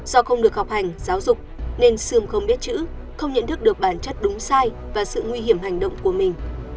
do không được học hành giáo dục nên sươm không biết chữ không nhận thức được bản chất đúng sai và sự nguy hiểm hành động của mình